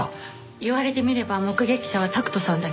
言われてみれば目撃者は拓人さんだけです。